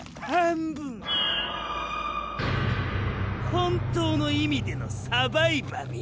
本当の意味でのサバイバルや。